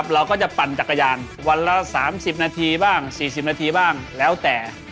เราก็จะปั่นจักรยานวันละ๓๐นาทีบ้าง๔๐นาทีบ้างแล้วแต่